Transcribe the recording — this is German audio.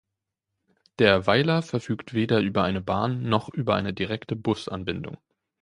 Der Weiler verfügt weder über eine Bahn-, noch über eine direkte Busanbindung.